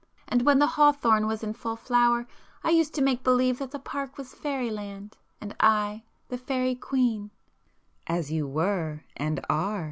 And when the hawthorn was in full flower I used to make believe that the park was fairyland and I the fairy queen——" "As you were and are!"